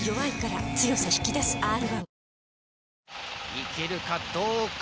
いけるかどうか？